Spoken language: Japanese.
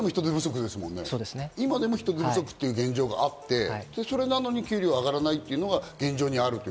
今でも人手不足の現状があって給料が上がらないというのが現状にある。